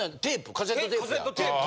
カセットテープ。